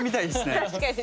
確かにね。